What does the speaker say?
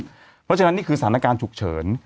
เพราะฉะนั้นนี่คือสถานการณ์ฉุกเฉิน